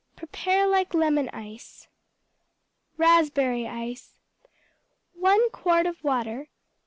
Prepare like lemon ice. Raspberry Ice 1 quart of water.